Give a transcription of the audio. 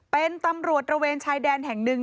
เป็นตำรวจระเวนชายแดนแห่งหนึ่ง